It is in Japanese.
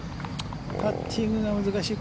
パッティングが難しい。